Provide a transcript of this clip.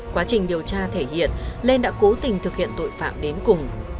quá trình điều tra thể hiện lên đã cố tình thực hiện tội phạm đến cùng